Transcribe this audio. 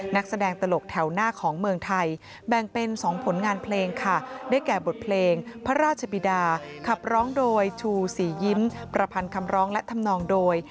นักแสดงตลกแถวหน้าของเมืองไทยแบ่งเป็น๒ผลงานเพลงค่ะได้แก่บทเพลงพระราชบิดาขับร้องโดยชูสียิ้มประพันธ์คำร้องและทำนองโดย